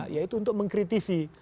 yaitu untuk mengkritisi